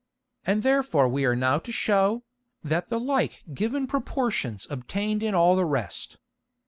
And therefore we are now to shew, that the like given Proportions obtain in all the rest.